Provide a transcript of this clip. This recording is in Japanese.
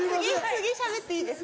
次しゃべっていいですか？